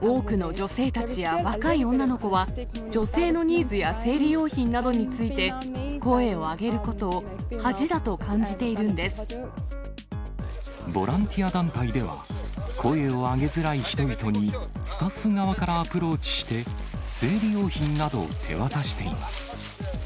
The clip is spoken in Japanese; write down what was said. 多くの女性たちや若い女の子は、女性のニーズや生理用品などについて声を上げることを恥だと感じボランティア団体では、声を上げづらい人々に、スタッフ側からアプローチして、生理用品などを手渡しています。